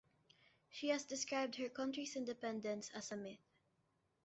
She has described her country's independence as a "myth".